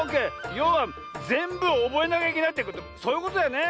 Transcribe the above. ようはぜんぶおぼえなきゃいけないってことそういうことだよね。